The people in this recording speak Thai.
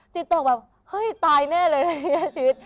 จิตตกแบบเฮ้ยตายแน่เลยแบบเนี้ยชีวิต